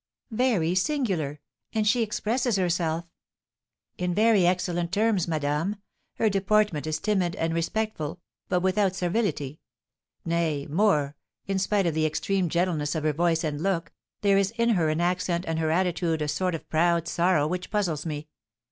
"Very singular! And she expresses herself " "In very excellent terms, madame; her deportment is timid and respectful, but without servility; nay, more, in spite of the extreme gentleness of her voice and look, there is in her accent and her attitude a sort of proud sorrow which puzzles me.